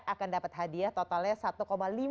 akan dapat hadiah totalnya